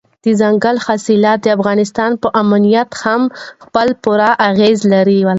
دځنګل حاصلات د افغانستان په امنیت هم خپل پوره اغېز لري.